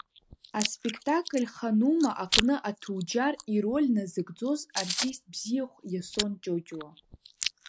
Аспектакль ханума аҟны аҭуџьар ироль назыгӡоз артист бзиахә Иасон Ҷоҷуа.